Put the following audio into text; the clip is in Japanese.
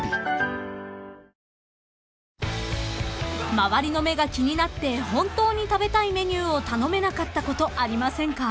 ［周りの目が気になって本当に食べたいメニューを頼めなかったことありませんか？］